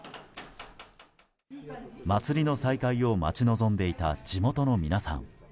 祭りの再開を待ち望んでいた地元の皆さん。